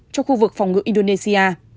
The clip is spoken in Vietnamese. cho khu vực phòng ngựa indonesia